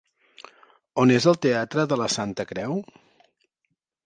On és el teatre de la Santa Creu?